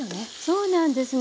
そうなんですね